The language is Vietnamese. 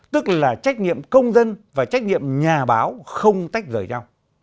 tức là trách nhiệm công dân và trách nhiệm nhà báo không tách rời nhau